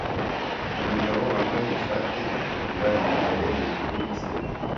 Umugabo wambaye ishati itukura yicaye hejuru yumusozi